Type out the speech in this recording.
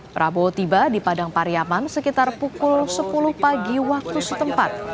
prabowo tiba di padang pariaman sekitar pukul sepuluh pagi waktu setempat